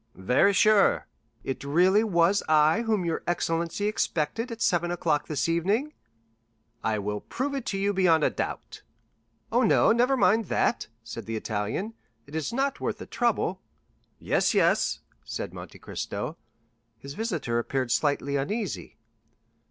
"Very sure." "It really was I whom your excellency expected at seven o'clock this evening?" "I will prove it to you beyond a doubt." "Oh, no, never mind that," said the Italian; "it is not worth the trouble." "Yes, yes," said Monte Cristo. His visitor appeared slightly uneasy.